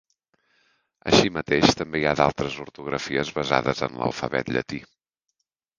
Així mateix, també hi ha d'altres ortografies basades en l'alfabet llatí.